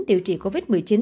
điều trị covid một mươi chín